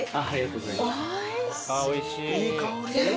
いい香り。